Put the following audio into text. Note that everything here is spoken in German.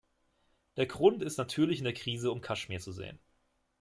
Der Grund ist natürlich in der Krise um Kaschmir zu sehen.